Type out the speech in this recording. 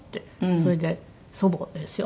それで祖母ですよ。